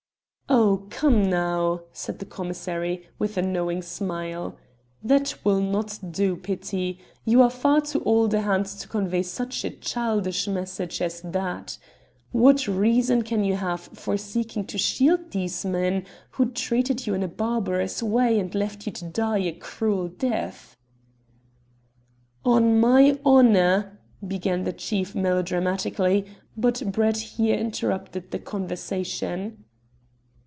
"Oh! come now," said the commissary, with a knowing smile, "that will not do, Petit. You are far too old a hand to convey such a childish message as that. What reason can you have for seeking to shield these men who treated you in a barbarous way and left you to die a cruel death?" "On my honour " began the thief melodramatically, but Brett here interrupted the conversation.